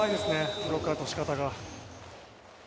ブロックアウトのしかたが。